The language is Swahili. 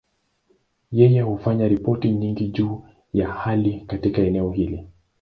Yeye hufanya ripoti nyingi juu ya hali katika eneo hili.